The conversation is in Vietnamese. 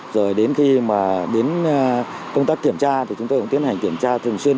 rồi đến khi mà đến công tác kiểm tra thì chúng tôi cũng tiến hành kiểm tra thường xuyên